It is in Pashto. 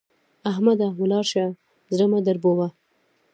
احمده! ولاړ شه؛ زړه مه دربوه.